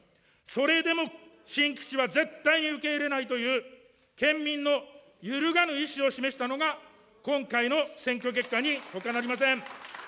それでも新基地は絶対に受け入れないという、県民の揺るがぬ意思を示したのが、今回の選挙結果にほかなりません。